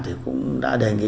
thì cũng đã đề nghị